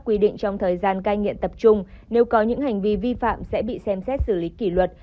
quy định trong thời gian cai nghiện tập trung nếu có những hành vi vi phạm sẽ bị xem xét xử lý kỷ luật